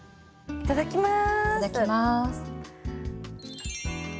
いただきます。